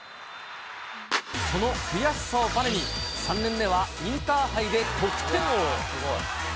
その悔しさをばねに、３年目はインターハイで得点王。